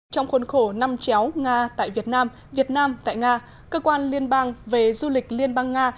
trong khuôn khổ năm chéo nga tại việt nam việt nam tại nga cơ quan liên bang về du lịch liên bang nga